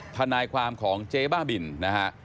ทนายความของเจ๊บ้าบินนะฮะ